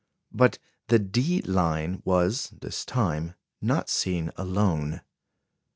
But the D line was, this time, not seen alone.